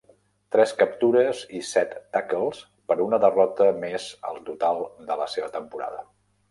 Tres captures i set tackles per una derrota més al total de la seva temporada.